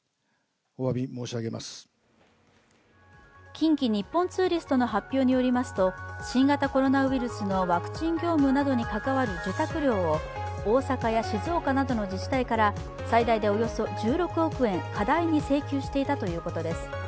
近畿日本ツーリストの発表によりますと、新型コロナウイルスのワクチン業務などに関わる受託料を大阪や静岡などの自治体から最大でおよそ１６億円、過大に請求していたということです。